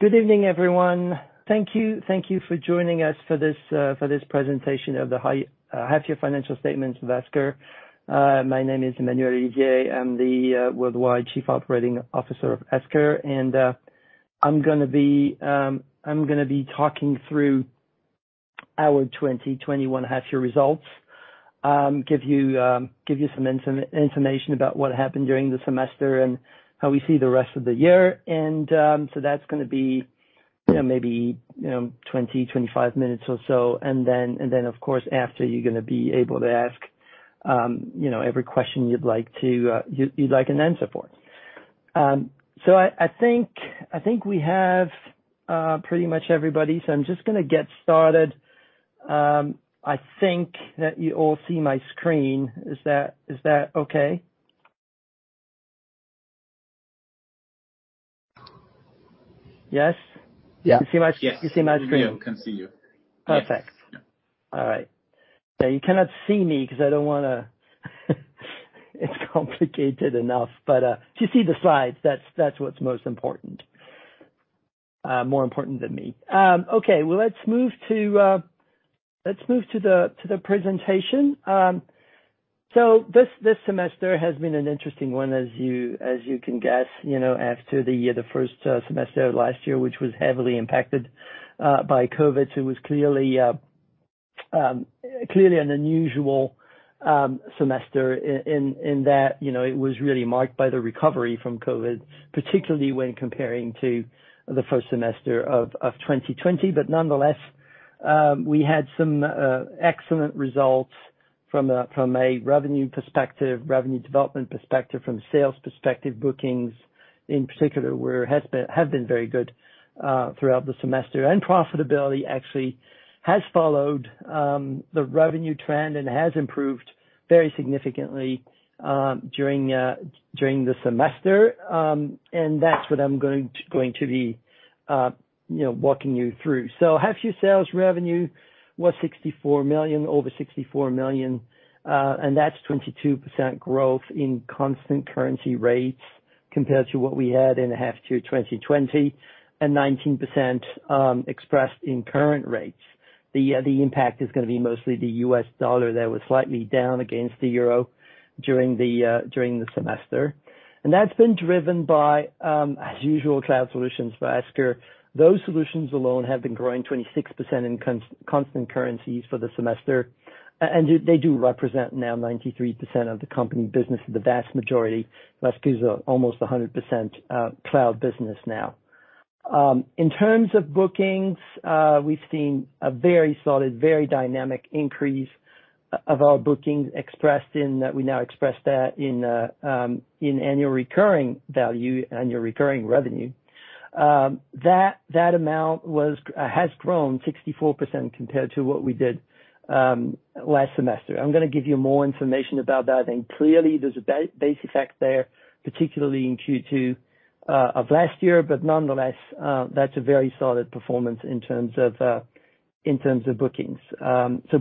Good evening, everyone. Thank you for joining us for this presentation of the half-year financial statements of Esker. My name is Emmanuel Olivier. I'm the Worldwide Chief Operating Officer of Esker. I'm going to be talking through our 2021 half-year results, give you some information about what happened during the semester and how we see the rest of the year. That's going to be maybe 20, 25 minutes or so. Of course, after, you're going to be able to ask every question you'd like an answer for. I think we have pretty much everybody, so I'm just going to get started. I think that you all see my screen. Is that okay? Yes? Yeah. You see my screen? Yes, we can see you. Perfect. Yes. All right. Now you cannot see me because it's complicated enough, but you see the slides, that's what's most important. More important than me. Okay. Well, let's move to the presentation. This semester has been an interesting one, as you can guess, after the first semester of last year, which was heavily impacted by COVID. It was clearly an unusual semester in that it was really marked by the recovery from COVID, particularly when comparing to the first semester of 2020. Nonetheless, we had some excellent results from a revenue perspective, revenue development perspective, from a sales perspective. Bookings, in particular, have been very good throughout the semester. Profitability actually has followed the revenue trend and has improved very significantly during the semester, and that's what I'm going to be walking you through. Half-year sales revenue was over 64 million, and that's 22% growth in constant currency rates compared to what we had in the half-year 2020, and 19% expressed in current rates. The impact is going to be mostly the US dollar that was slightly down against the euro during the semester. That's been driven by, as usual, Cloud Solutions for Esker. Those solutions alone have been growing 26% in constant currencies for the semester, and they do represent now 93% of the company business, the vast majority. Esker is almost 100% cloud business now. In terms of bookings, we've seen a very solid, very dynamic increase of our bookings expressed in that we now express that in annual recurring value, annual recurring revenue. That amount has grown 64% compared to what we did last semester. I'm going to give you more information about that, clearly, there's a base effect there, particularly in Q2 of last year. Nonetheless, that's a very solid performance in terms of bookings.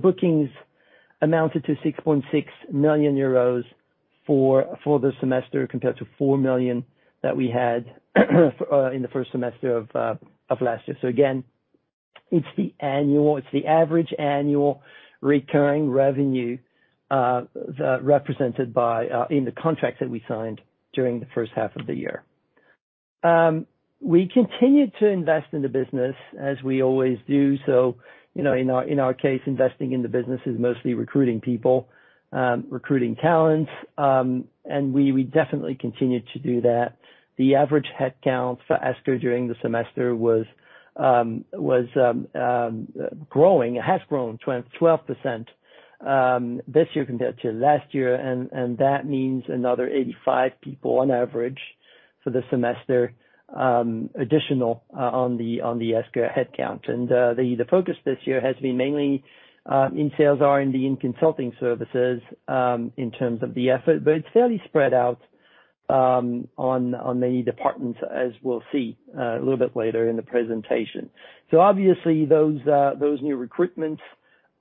Bookings amounted to 6.6 million euros for the semester, compared to 4 million that we had in the first semester of last year. Again, it's the average annual recurring revenue represented in the contracts that we signed during the first half of the year. We continued to invest in the business, as we always do. In our case, investing in the business is mostly recruiting people, recruiting talents, we definitely continued to do that. The average headcount for Esker during the semester was growing. It has grown 12% this year compared to last year, that means another 85 people on average for the semester, additional on the Esker headcount. The focus this year has been mainly in sales R&D, in consulting services, in terms of the effort. It's fairly spread out on the departments, as we'll see a little bit later in the presentation. Obviously, those new recruitments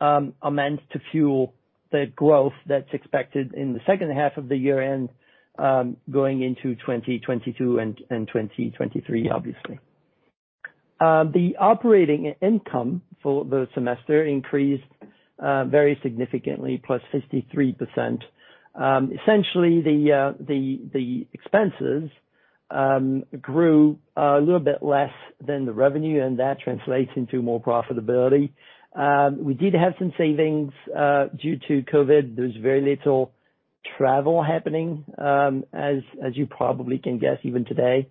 are meant to fuel the growth that's expected in the second half of the year and going into 2022 and 2023, obviously. The operating income for the semester increased very significantly, +63%. Essentially, the expenses grew a little bit less than the revenue, and that translates into more profitability. We did have some savings due to COVID. There was very little travel happening, as you probably can guess, even today.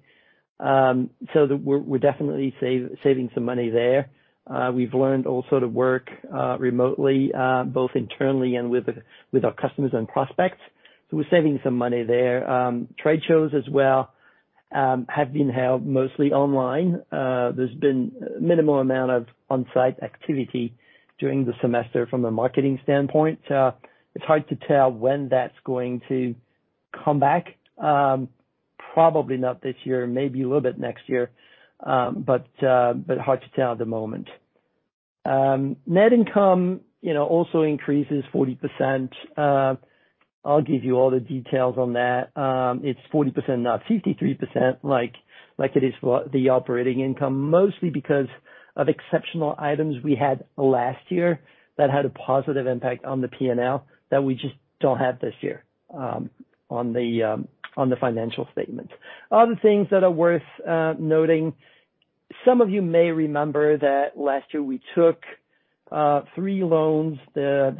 We're definitely saving some money there. We've learned also to work remotely, both internally and with our customers and prospects. We're saving some money there. Trade shows as well have been held mostly online. There's been a minimal amount of on-site activity during the semester from a marketing standpoint. It's hard to tell when that's going to come back. Probably not this year, maybe a little bit next year. Hard to tell at the moment.Net income also increases 40%. I'll give you all the details on that. It's 40%, not 53% like it is for the operating income, mostly because of exceptional items we had last year that had a positive impact on the P&L that we just don't have this year on the financial statements. Other things that are worth noting, some of you may remember that last year we took three loans that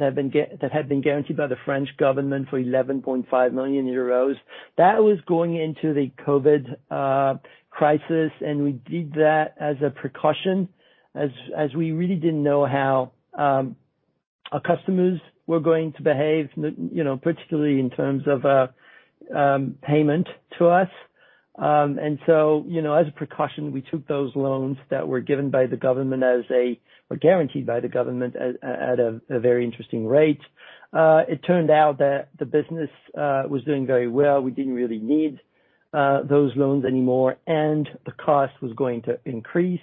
had been guaranteed by the French government for 11.5 million euros. That was going into the COVID crisis. We did that as a precaution, as we really didn't know how our customers were going to behave, particularly in terms of payment to us. As a precaution, we took those loans that were given by the government, were guaranteed by the government at a very interesting rate. It turned out that the business was doing very well. We didn't really need those loans anymore. The cost was going to increase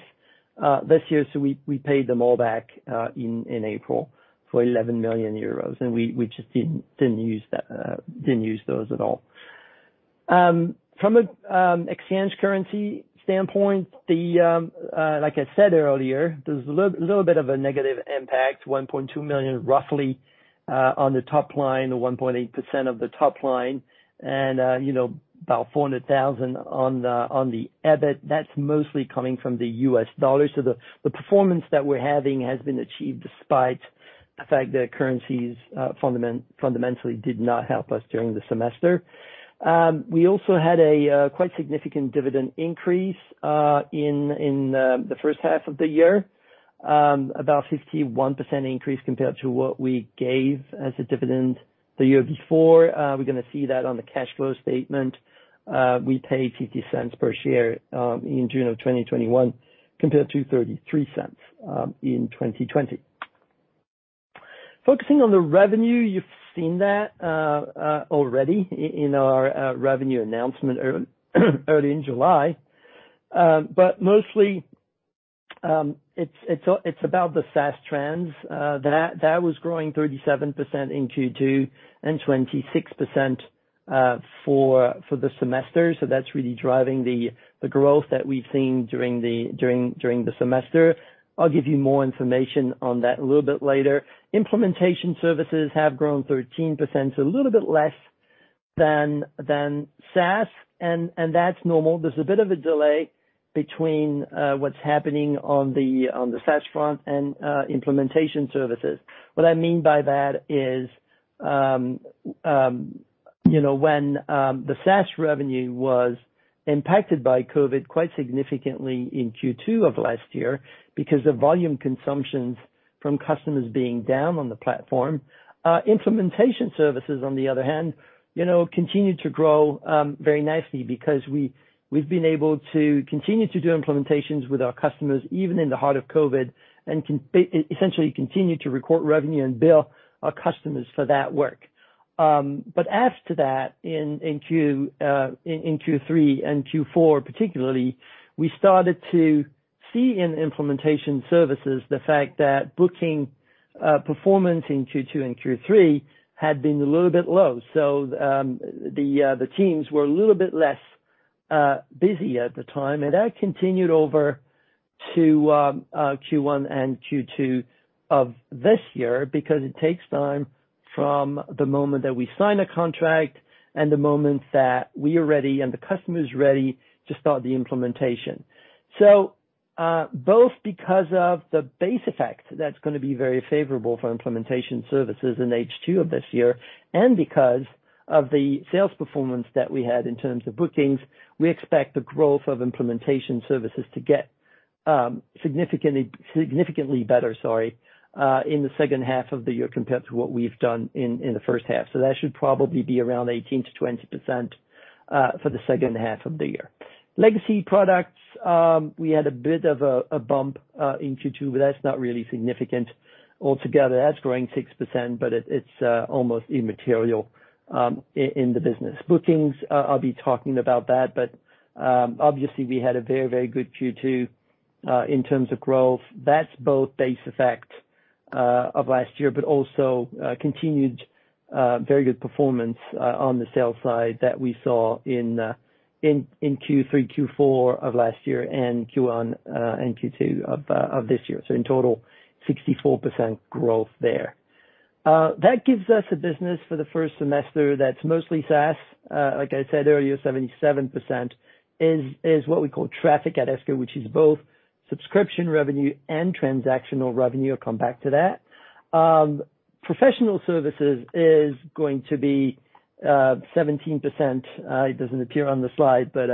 this year. We paid them all back in April for 11 million euros. We just didn't use those at all. From an exchange currency standpoint, like I said earlier, there's a little bit of a negative impact, 1.2 million roughly on the top line, or 1.8% of the top line and about 400,000 on the EBIT. That's mostly coming from the US dollar. The performance that we're having has been achieved despite the fact that currencies fundamentally did not help us during the semester. We also had a quite significant dividend increase in the first half of the year, about a 51% increase compared to what we gave as a dividend the year before. We're going to see that on the cash flow statement. We paid 0.50 per share in June of 2021 compared to 0.33 in 2020. Focusing on the revenue, you've seen that already in our revenue announcement early in July. Mostly, it's about the SaaS trends. That was growing 37% in Q2 and 26% for the semester. That's really driving the growth that we've seen during the semester. I'll give you more information on that a little bit later. Implementation services have grown 13%, so a little bit less than SaaS, and that's normal. There's a bit of a delay between what's happening on the SaaS front and implementation services. What I mean by that is when the SaaS revenue was impacted by COVID quite significantly in Q2 of last year because of volume consumptions from customers being down on the platform. Implementation services, on the other hand, continued to grow very nicely because we've been able to continue to do implementations with our customers even in the heart of COVID, and essentially continue to record revenue and bill our customers for that work. After that, in Q3 and Q4 particularly, we started to see in implementation services the fact that booking performance in Q2 and Q3 had been a little bit low. The teams were a little bit less busy at the time, and that continued over to Q1 and Q2 of this year because it takes time from the moment that we sign a contract and the moment that we are ready and the customer is ready to start the implementation. Both because of the base effect that's going to be very favorable for implementation services in H2 of this year and because of the sales performance that we had in terms of bookings, we expect the growth of implementation services to get significantly better, sorry, in the second half of the year compared to what we've done in the first half. That should probably be around 18%-20% for the second half of the year. Legacy products, we had a bit of a bump in Q2, but that's not really significant altogether. That's growing 6%. It's almost immaterial in the business. Bookings, I'll be talking about that, but obviously we had a very, very good Q2 in terms of growth. That's both base effect of last year, but also continued very good performance on the sales side that we saw in Q3, Q4 of last year and Q1 and Q2 of this year. In total, 64% growth there. That gives us a business for the first semester that's mostly SaaS. Like I said earlier, 77% is what we call traffic at Esker, which is both subscription revenue and transactional revenue. I'll come back to that. Professional services is going to be 17%. It doesn't appear on the slide, but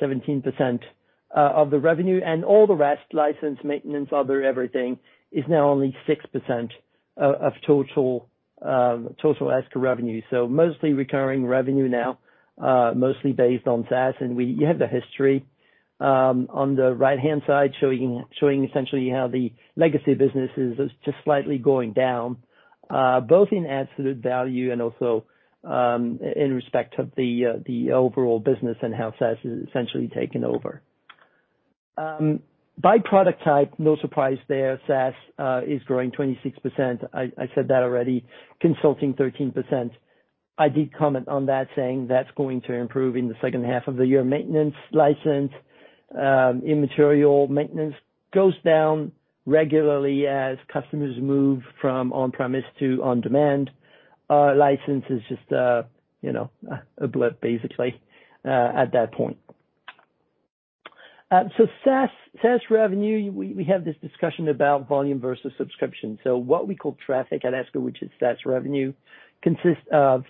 17% of the revenue and all the rest, license, maintenance, other, everything, is now only 6% of total Esker revenue. Mostly recurring revenue now, mostly based on SaaS. You have the history on the right-hand side showing essentially how the legacy business is just slightly going down. Both in absolute value and also in respect of the overall business and how SaaS has essentially taken over. By product type, no surprise there, SaaS is growing 26%. I said that already. Consulting, 13%. I did comment on that saying that's going to improve in the second half of the year. Maintenance license, immaterial maintenance goes down regularly as customers move from on-premise to on-demand. License is just a blip, basically, at that point. SaaS revenue, we have this discussion about volume versus subscription. What we call traffic at Esker, which is SaaS revenue, consists of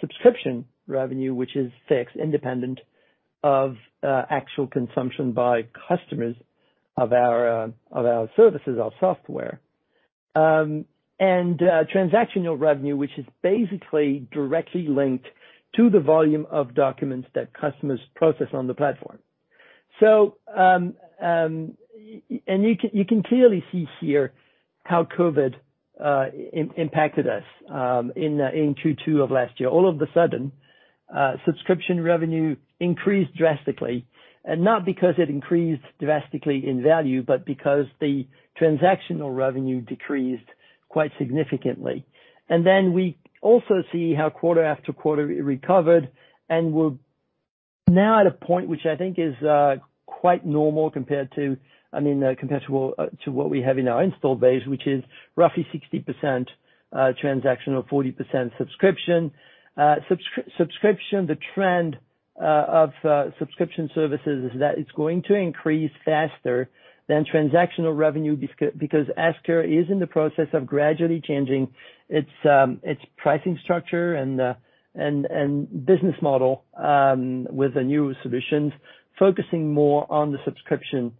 subscription revenue, which is fixed independent of actual consumption by customers of our services, our software. Transactional revenue, which is basically directly linked to the volume of documents that customers process on the platform. You can clearly see here how COVID impacted us in Q2 of last year. All of a sudden, subscription revenue increased drastically, and not because it increased drastically in value, but because the transactional revenue decreased quite significantly. We also see how quarter after quarter it recovered, and we're now at a point which I think is quite normal compared to what we have in our install base, which is roughly 60% transactional, 40% subscription. The trend of subscription services is that it's going to increase faster than transactional revenue because Esker is in the process of gradually changing its pricing structure and business model with the new solutions, focusing more on the subscription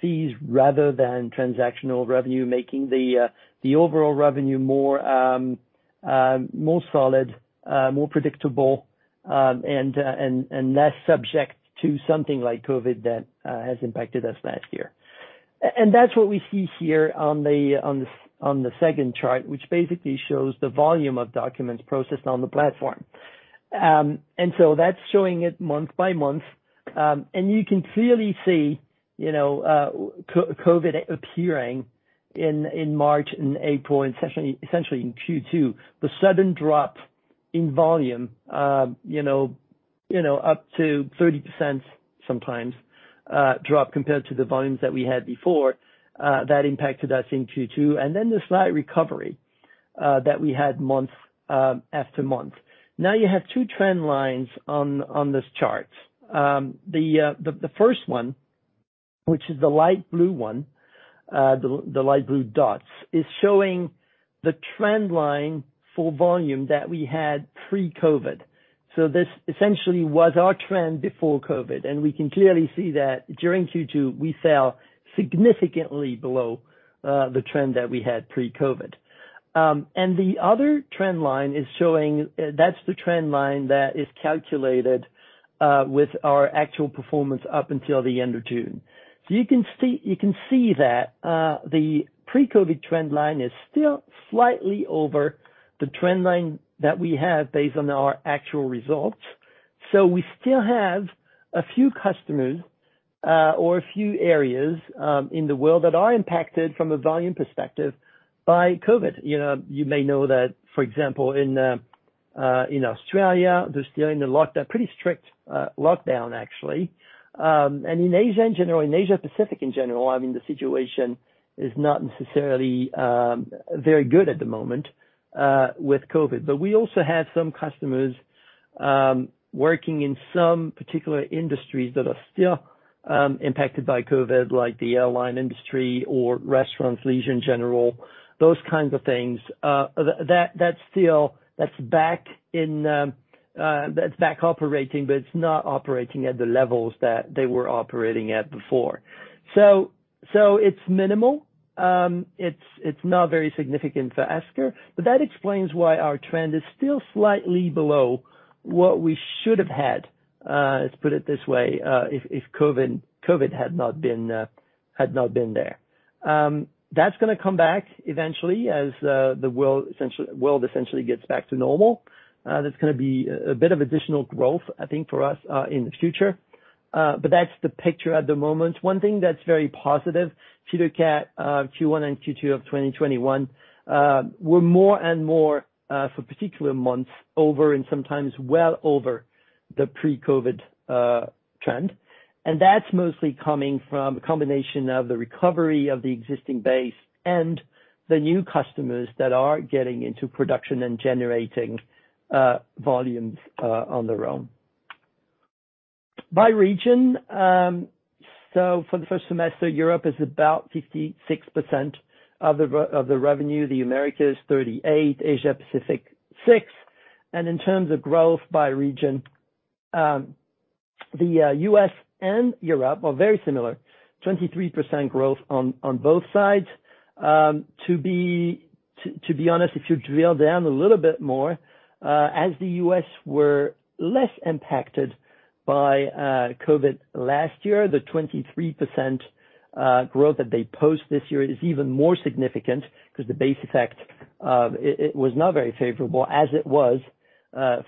fees rather than transactional revenue, making the overall revenue more solid, more predictable, and less subject to something like COVID that has impacted us last year. That's what we see here on the second chart, which basically shows the volume of documents processed on the platform. That's showing it month by month. You can clearly see COVID appearing in March and April, essentially in Q2. The sudden drop in volume up to 30% sometimes drop compared to the volumes that we had before, that impacted us in Q2. Then the slight recovery that we had month after month. Now you have two trend lines on this chart. The first one, which is the light blue one, the light blue dots, is showing the trend line for volume that we had pre-COVID. This essentially was our trend before COVID, and we can clearly see that during Q2, we fell significantly below the trend that we had pre-COVID. The other trend line is the trend line that is calculated with our actual performance up until the end of June. You can see that the pre-COVID trend line is still slightly over the trend line that we have based on our actual results. We still have a few customers or a few areas in the world that are impacted from a volume perspective by COVID. You may know that, for example, in Australia, they're still in a pretty strict lockdown, actually. In Asia-Pacific in general, the situation is not necessarily very good at the moment with COVID. We also have some customers working in some particular industries that are still impacted by COVID, like the airline industry or restaurants, leisure in general. Those kinds of things that's back operating, but it's not operating at the levels that they were operating at before. It's minimal. It's not very significant for Esker, but that explains why our trend is still slightly below what we should have had, let's put it this way, if COVID had not been there. That's going to come back eventually as the world essentially gets back to normal. That's going to be a bit of additional growth, I think, for us in the future. That's the picture at the moment. One thing that's very positive, Q1 and Q2 of 2021, were more and more for particular months over and sometimes well over the pre-COVID trend. That's mostly coming from a combination of the recovery of the existing base and the new customers that are getting into production and generating volumes on their own. By region, for the first semester, Europe is about 56% of the revenue, the Americas, 38%, Asia-Pacific, 6%. In terms of growth by region, the U.S. and Europe are very similar. 23% growth on both sides. To be honest, if you drill down a little bit more, as the U.S. were less impacted by COVID last year, the 23% growth that they post this year is even more significant because the base effect was not very favorable as it was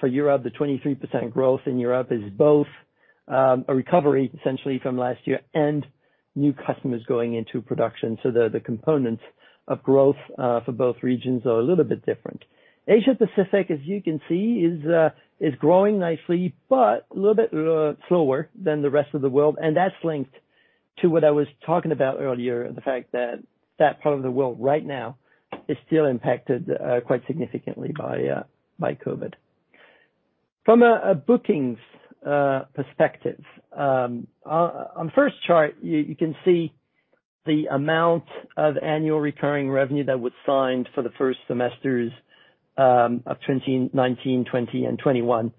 for Europe. The 23% growth in Europe is both a recovery, essentially, from last year and new customers going into production. The components of growth for both regions are a little bit different. Asia Pacific, as you can see, is growing nicely, but a little bit slower than the rest of the world. That's linked to what I was talking about earlier, the fact that that part of the world right now is still impacted quite significantly by COVID. From a bookings perspective, on the first chart, you can see the amount of annual recurring revenue that was signed for the first semesters of 2019, 2020, and 2021.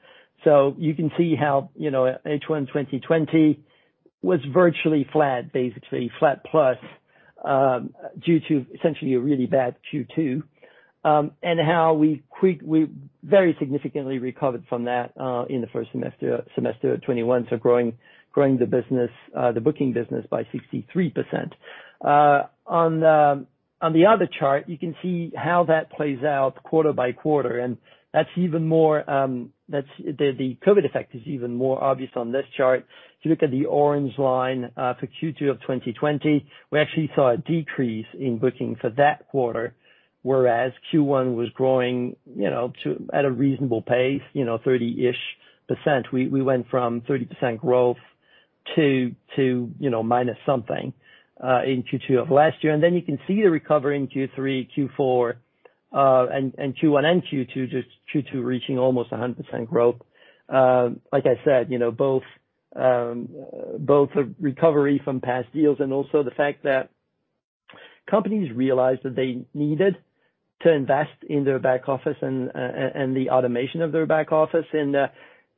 You can see how H1 2020 was virtually flat, basically. Flat plus, due to essentially a really bad Q2, and how we very significantly recovered from that in the first semester of 2021, growing the booking business by 63%. On the other chart, you can see how that plays out quarter-by-quarter. The COVID effect is even more obvious on this chart. If you look at the orange line for Q2 of 2020, we actually saw a decrease in booking for that quarter, whereas Q1 was growing at a reasonable pace, 30%. We went from 30% growth to minus something in Q2 of last year. Then you can see the recovery in Q3, Q4, and Q1 and Q2, just Q2 reaching almost 100% growth. Like I said, both a recovery from past deals and also the fact that companies realized that they needed to invest in their back office and the automation of their back office.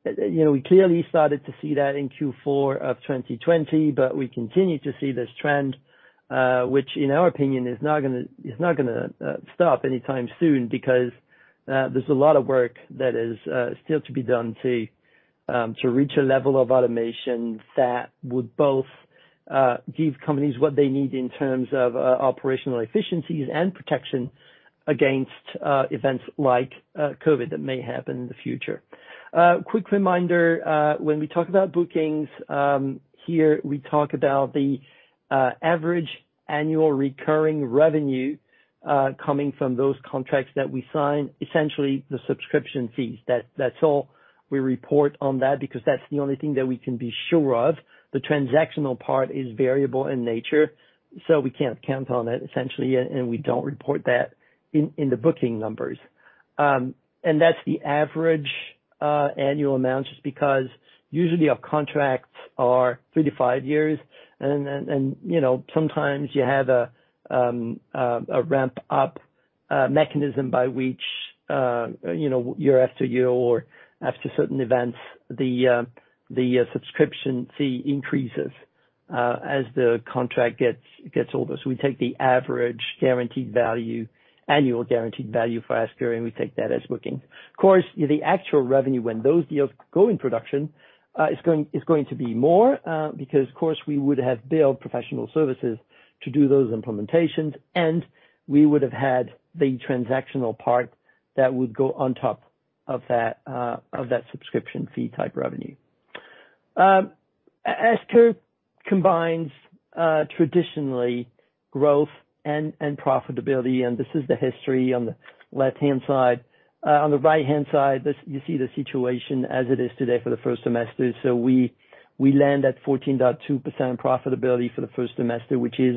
We clearly started to see that in Q4 of 2020, but we continue to see this trend, which in our opinion, is not going to stop anytime soon because there's a lot of work that is still to be done to reach a level of automation that would both give companies what they need in terms of operational efficiencies and protection against events like COVID that may happen in the future. Quick reminder, when we talk about bookings, here we talk about the average annual recurring revenue coming from those contracts that we sign, essentially the subscription fees. That's all we report on that, because that's the only thing that we can be sure of. The transactional part is variable in nature, so we can't count on it, essentially, and we don't report that in the booking numbers. That's the average annual amount, just because usually our contracts are three to five years, and sometimes you have a ramp-up mechanism by which year-after-year or after certain events, the subscription fee increases as the contract gets older. We take the average annual guaranteed value for Esker, and we take that as bookings. Of course, the actual revenue when those deals go in production is going to be more, because of course, we would have billed professional services to do those implementations, and we would have had the transactional part that would go on top of that subscription fee type revenue. Esker combines traditionally growth and profitability, and this is the history on the left-hand side. On the right-hand side, you see the situation as it is today for the first semester. We land at 14.2% profitability for the first semester, which is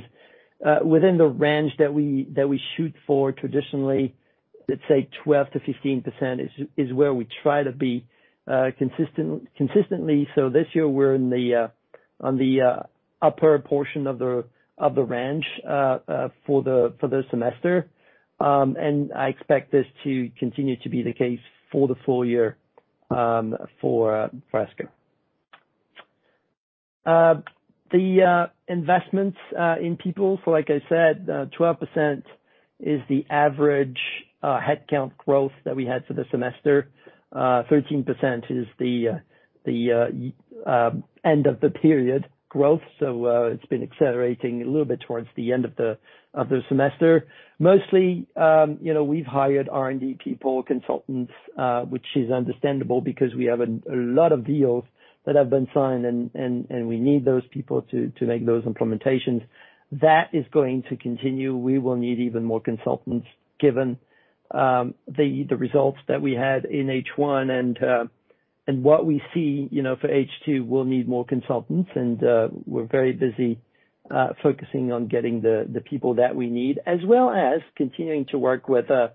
within the range that we shoot for traditionally. Let's say 12%-15% is where we try to be consistently. This year, we're on the upper portion of the range for the semester. I expect this to continue to be the case for the full-year for Esker. The investments in people, like I said, 12% is the average headcount growth that we had for the semester. 13% is the end-of-the-period growth. Mostly we've hired R&D people, consultants, which is understandable because we have a lot of deals that have been signed, and we need those people to make those implementations. That is going to continue. We will need even more consultants given the results that we had in H1 and what we see for H2. We'll need more consultants, and we're very busy focusing on getting the people that we need, as well as continuing to work with a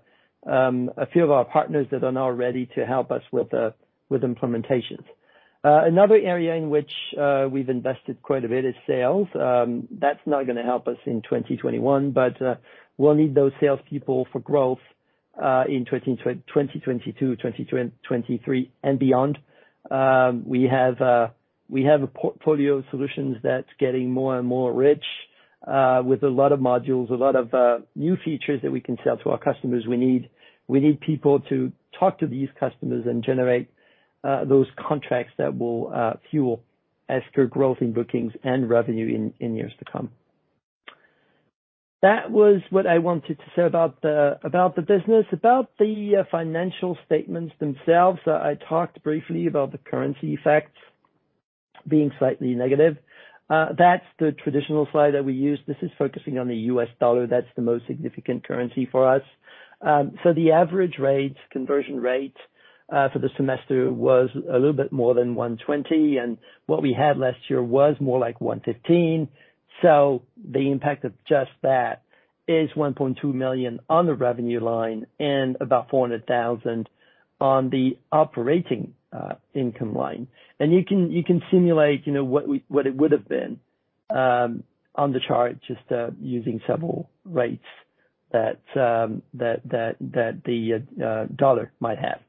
few of our partners that are now ready to help us with implementations. Another area in which we've invested quite a bit is sales. That's not going to help us in 2021, but we'll need those salespeople for growth in 2022, 2023, and beyond. We have a portfolio of solutions that's getting more and more rich with a lot of modules, a lot of new features that we can sell to our customers. We need people to talk to these customers and generate those contracts that will fuel Esker growth in bookings and revenue in years to come. That was what I wanted to say about the business. About the financial statements themselves, I talked briefly about the currency effects being slightly negative. That's the traditional slide that we use. This is focusing on the U.S. dollar, that's the most significant currency for us. The average rates, conversion rate for the semester was a little bit more than 120, and what we had last year was more like 115. The impact of just that is 1.2 million on the revenue line and about 400,000 on the operating income line. You can simulate what it would've been on the chart, just using several rates that the dollar might have.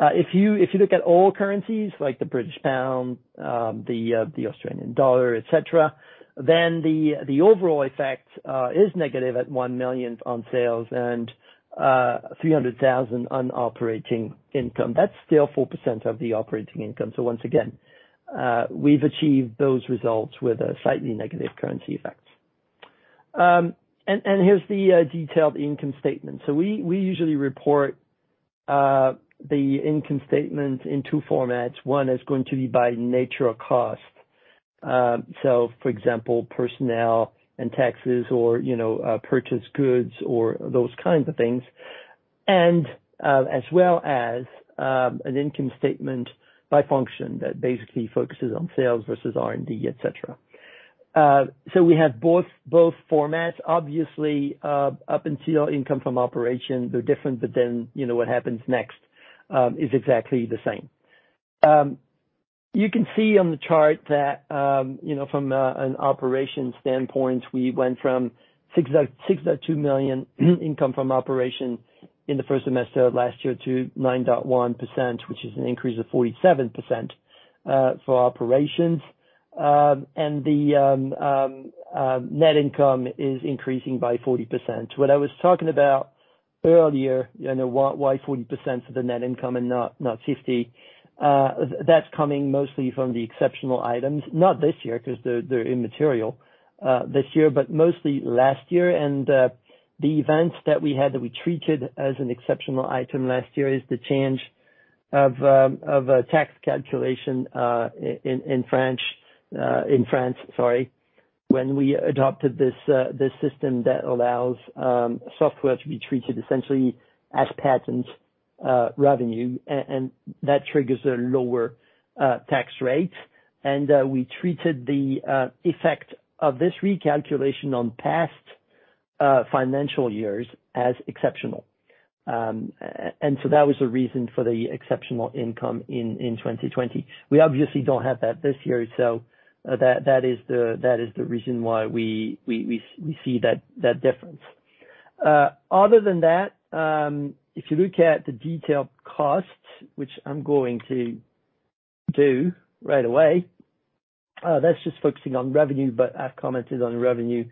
If you look at all currencies like the British pound, the Australian dollar, et cetera, the overall effect is negative at 1 million on sales and 300,000 on operating income. That's still 4% of the operating income. Once again, we've achieved those results with slightly negative currency effects. Here's the detailed income statement. We usually report the income statement in two formats. One is going to be by nature of cost. For example, personnel and taxes or purchase goods or those kinds of things, and as well as an income statement by function that basically focuses on sales versus R&D, et cetera. We have both formats. Obviously, up until income from operations, they're different, what happens next is exactly the same. You can see on the chart that, from an operation standpoint, we went from 6.2 million income from operation in the first semester of last year to 9.1%, which is an increase of 47% for operations. The net income is increasing by 40%. What I was talking about earlier, why 40% for the net income and not 50%? That's coming mostly from the exceptional items, not this year, because they're immaterial this year, but mostly last year. The events that we had that we treated as an exceptional item last year is the change of a tax calculation in France, sorry. When we adopted this system that allows software to be treated essentially as patent revenue, and that triggers a lower tax rate. We treated the effect of this recalculation on past financial years as exceptional. That was the reason for the exceptional income in 2020. We obviously don't have that this year, so that is the reason why we see that difference. Other than that, if you look at the detailed costs, which I'm going to do right away, that's just focusing on revenue, but I've commented on revenue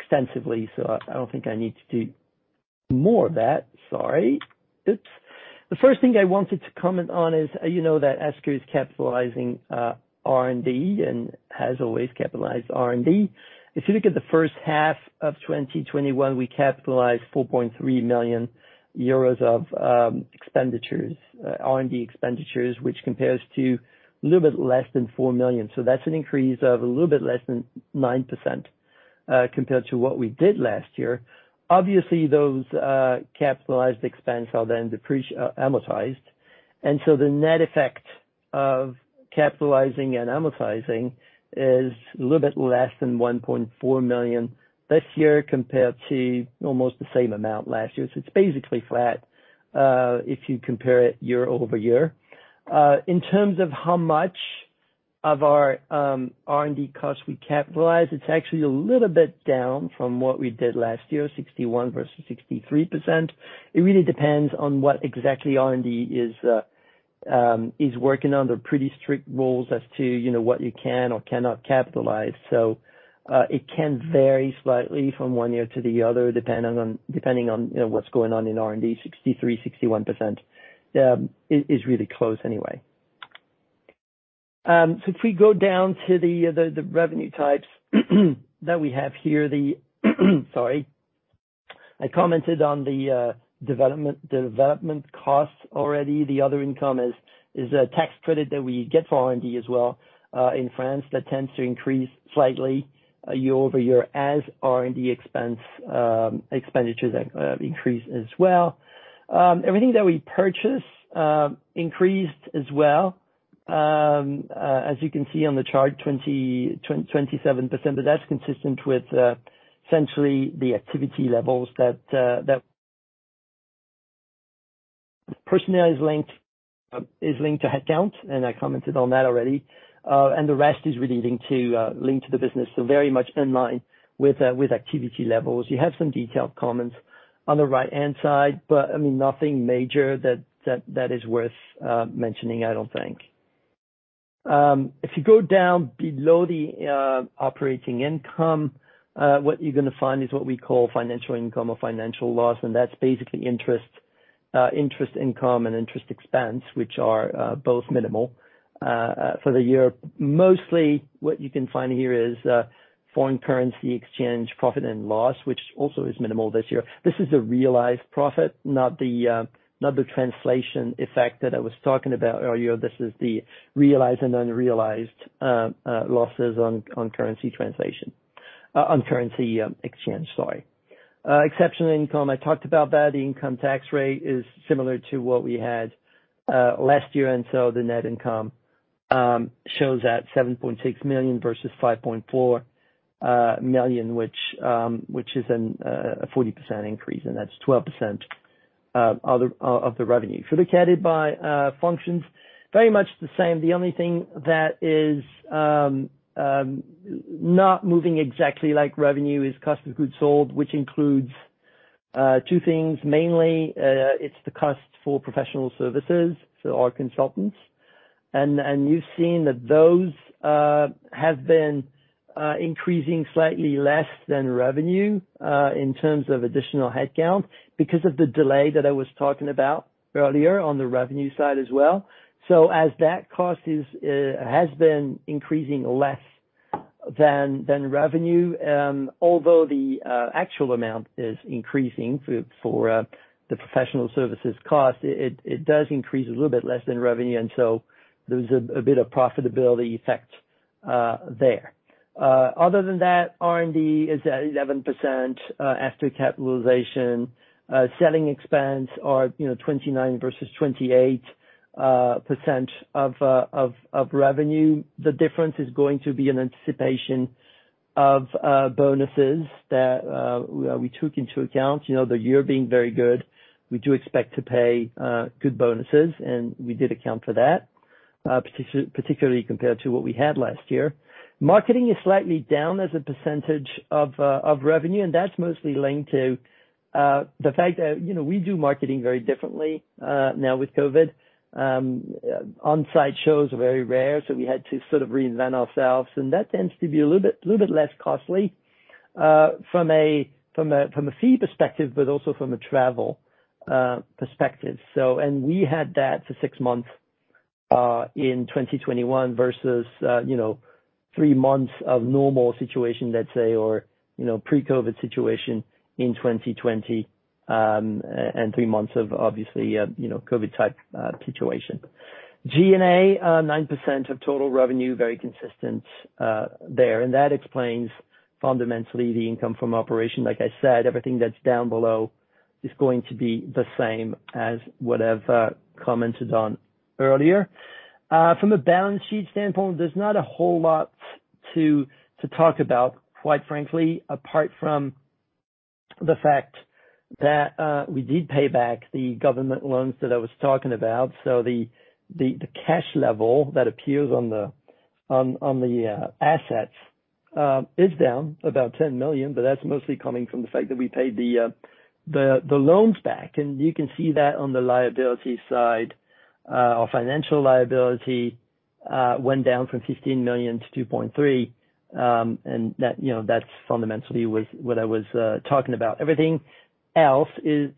extensively, so I don't think I need to do more of that. Sorry. Oops. The first thing I wanted to comment on is, you know that Esker is capitalizing R&D and has always capitalized R&D. If you look at the first half of 2021, we capitalized 4.3 million euros of R&D expenditures, which compares to a little bit less than 4 million. That's an increase of a little bit less than 9% compared to what we did last year. Obviously, those capitalized expenses are then amortized. The net effect of capitalizing and amortizing is a little bit less than 1.4 million this year compared to almost the same amount last year. It's basically flat, if you compare it year-over-year. In terms of how much of our R&D costs we capitalize, it's actually a little bit down from what we did last year, 61% versus 63%. It really depends on what exactly R&D is working on. They're pretty strict rules as to what you can or cannot capitalize. It can vary slightly from one year to the other, depending on what's going on in R&D, 63%, 61% is really close anyway. If we go down to the revenue types that we have here. I commented on the development costs already. The other income is a tax credit that we get for R&D as well in France that tends to increase slightly year-over-year as R&D expenditures increase as well. Everything that we purchase increased as well. As you can see on the chart, 27%, that's consistent with essentially the activity levels that personnel is linked to headcount, and I commented on that already. The rest is really linked to the business. Very much in line with activity levels. You have some detailed comments on the right-hand side, nothing major that is worth mentioning, I don't think. If you go down below the operating income, what you're going to find is what we call financial income or financial loss. That's basically interest income and interest expense, which are both minimal for the year. Mostly what you can find here is foreign currency exchange profit and loss, which also is minimal this year. This is a realized profit, not the translation effect that I was talking about earlier. This is the realized and unrealized losses on currency exchange, sorry. Exceptional income, I talked about that. The income tax rate is similar to what we had last year, the net income shows at 7.6 million versus 5.4 million, which is a 40% increase, and that's 12% of the revenue. If we look at it by functions, very much the same. The only thing that is not moving exactly like revenue is cost of goods sold, which includes two things. Mainly, it's the cost for professional services, so our consultants. You've seen that those have been increasing slightly less than revenue in terms of additional headcount, because of the delay that I was talking about earlier on the revenue side as well. As that cost has been increasing less than revenue, although the actual amount is increasing for the professional services cost, it does increase a little bit less than revenue, and so there's a bit of profitability effect there. Other than that, R&D is at 11% after capitalization. Selling expense are 29 versus 28% of revenue. The difference is going to be in anticipation of bonuses that we took into account. The year being very good, we do expect to pay good bonuses, and we did account for that, particularly compared to what we had last year. Marketing is slightly down as a percentage of revenue, that's mostly linked to the fact that we do marketing very differently now with COVID. On-site shows are very rare, we had to sort of reinvent ourselves, that tends to be a little bit less costly from a fee perspective, but also from a travel perspective. We had that for six months in 2021 versus three months of normal situation, let's say, or pre-COVID situation in 2020, three months of, obviously, COVID type situation. G&A, 9% of total revenue, very consistent there. That explains fundamentally the income from operation. Like I said, everything that's down below is going to be the same as what I've commented on earlier. From a balance sheet standpoint, there's not a whole lot to talk about, quite frankly, apart from the fact that we did pay back the government loans that I was talking about. The cash level that appears on the assets is down about 10 million, but that's mostly coming from the fact that we paid the loans back. You can see that on the liability side. Our financial liability went down from 15 million to 2.3 million, and that fundamentally was what I was talking about. Everything else is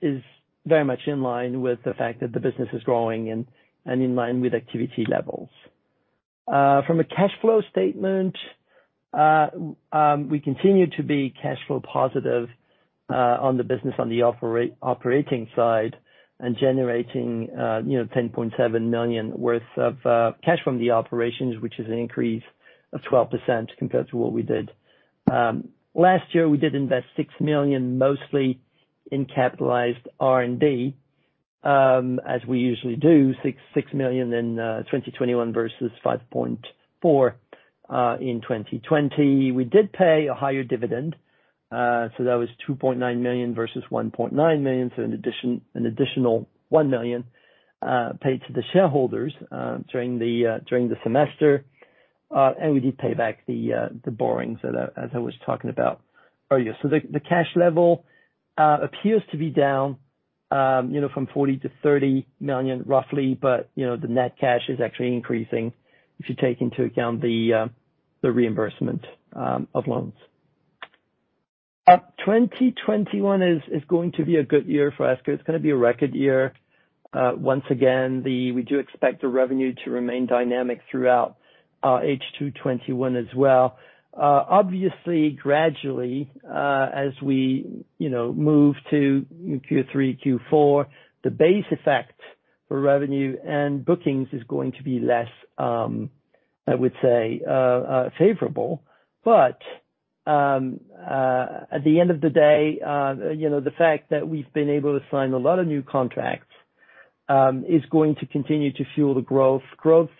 very much in line with the fact that the business is growing and in line with activity levels. From a cash flow statement, we continue to be cash flow positive on the business on the operating side, and generating 10.7 million worth of cash from the operations, which is an increase of 12% compared to what we did. Last year, we did invest 6 million, mostly in capitalized R&D, as we usually do. 6 million in 2021 versus 5.4 million in 2020. We did pay a higher dividend, that was 2.9 million versus 1.9 million. An additional 1 million paid to the shareholders during the semester. We did pay back the borrowings as I was talking about earlier. The cash level appears to be down from 40 million to 30 million, roughly. The net cash is actually increasing if you take into account the reimbursement of loans. 2021 is going to be a good year for Esker. It's going to be a record year. Once again, we do expect the revenue to remain dynamic throughout H2 2021 as well. Obviously, gradually, as we move to Q3, Q4, the base effect for revenue and bookings is going to be less, I would say, favorable. At the end of the day, the fact that we've been able to sign a lot of new contracts is going to continue to fuel the growth. Growth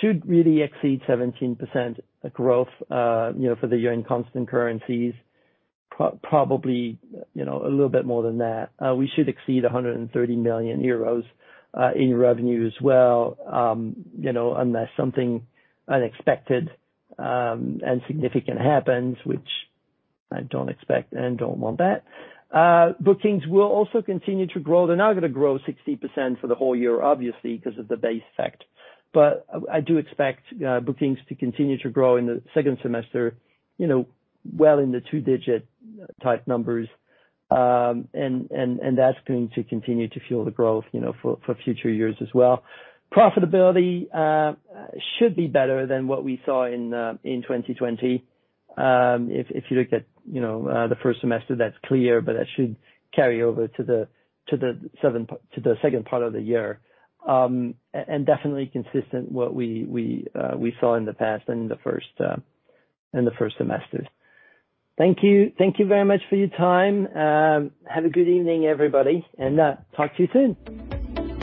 should really exceed 17% growth for the year in constant currencies, probably a little bit more than that. We should exceed 130 million euros in revenue as well, unless something unexpected and significant happens, which I don't expect and don't want that. Bookings will also continue to grow. They're not going to grow 60% for the whole year, obviously, because of the base effect. I do expect bookings to continue to grow in the second semester well in the two-digit type numbers. That's going to continue to fuel the growth for future years as well. Profitability should be better than what we saw in 2020. If you look at the first semester, that's clear, but that should carry over to the second part of the year. Definitely consistent what we saw in the past in the first semester. Thank you. Thank you very much for your time. Have a good evening, everybody, and talk to you soon.